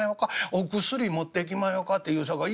『お薬持ってきまひょか』て言うさかい